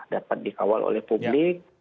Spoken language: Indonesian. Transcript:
dapat dikawal oleh publik